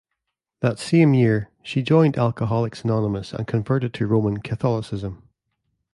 That same year, she joined Alcoholics Anonymous and converted to Roman Catholicism.